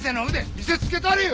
見せつけたれよ！